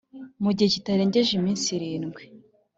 Mu gihe kitarengeje iminsi irindwi